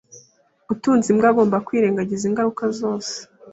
Utunze imbwa agomba kwirengera ingaruka zose